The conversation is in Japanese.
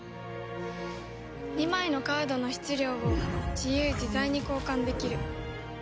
２枚のカードの質量を自由自在に交換できる。